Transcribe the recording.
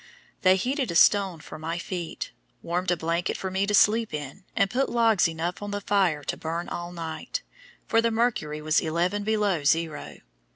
They heated a stone for my feet, warmed a blanket for me to sleep in, and put logs enough on the fire to burn all night, for the mercury was eleven below zero.